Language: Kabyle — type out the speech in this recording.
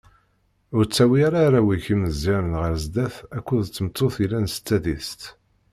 Ur ttawi ara arraw-ik imeẓyanen ɣer sdat akked tmeṭṭut yellan s tadist.